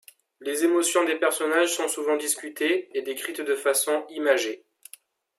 Les émotions des personnages sont souvent discutées et décrites de façon imagée.